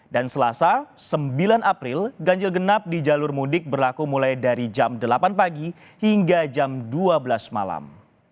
dan selasa sembilan april ganjil genap di jalur mudik berlaku mulai dari jam delapan pagi hingga jam dua belas malam